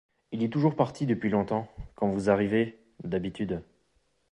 Il est toujours parti depuis longtemps, quand vous arrivez, d’habitude.